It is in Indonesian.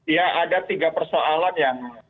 ya ada tiga persoalan yang